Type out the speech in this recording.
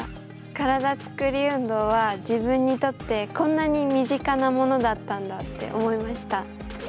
体つくり運動は自分にとってこんなに身近なものだったんだって思いました。